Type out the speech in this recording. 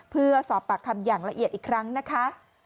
เพื่อสอบปากคำอย่างละเอียดอีกครั้งนะคะ